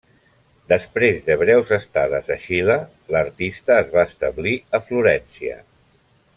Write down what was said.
Després de breus estades a Xile, l'artista es va establir a Florència.